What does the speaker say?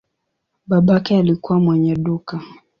Babake alikuwa mwenye duka.